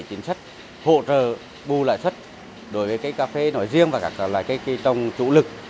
chính sách hỗ trợ bù lại sách đối với cái cà phê nổi riêng và các cái trong chủ lực